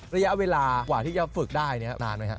ระยะเวลากว่าที่จะฝึกได้นานไหมครับ